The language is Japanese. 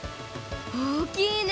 おおきいね！